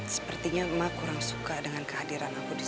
sepertinya emak kurang suka dengan kehadiran aku di situ